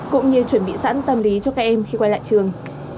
cũng như chuẩn bị sẵn tâm lý cho các em khi quay lại trường